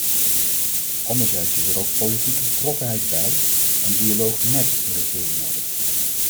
Anderzijds is er ook politieke betrokkenheid bij en dialoog met de regering nodig.